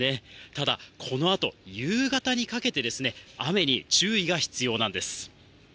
ただ、このあと夕方にかけて、雨に注意が必要なんです。